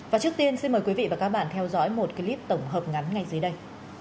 và trước tiên xin mời quý vị và các bạn theo dõi một clip tổng hợp ngắn ngay dưới đây